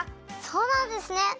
そうなんですね。